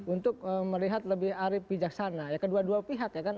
untuk melihat lebih arif bijaksana ya kedua dua pihak ya kan